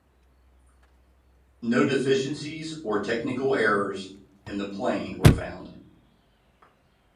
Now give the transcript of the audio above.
No deficiencies or technical errors in the plane were found.